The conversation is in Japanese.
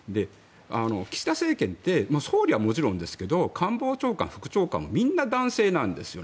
岸田政権って総理はもちろんですけど官房長官、副長官もみんな男性なんですよね。